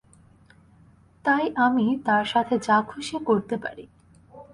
তাই আমি তার সাথে যা খুশি করতে পারি।